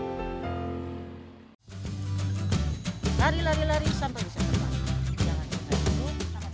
tapi tak berkunjung ke skyland tua terlihat indah dengan gunung yang menjelaskan di manado